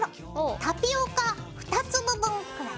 タピオカ２粒分くらい。